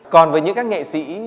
còn với những các nghệ sĩ